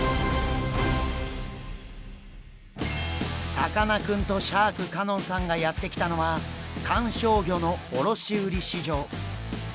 さかなクンとシャーク香音さんがやって来たのは観賞魚の卸売市場。